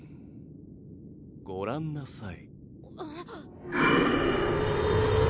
ご覧なさい。